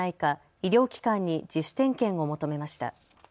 医療機関に自主点検を求めました。